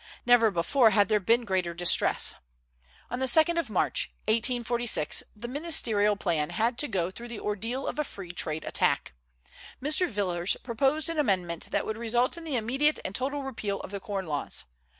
Never before had there been greater distress. On the 2d of March, 1846, the ministerial plan had to go through the ordeal of a free trade attack. Mr. Villiers proposed an amendment that would result in the immediate and total repeal of the corn laws.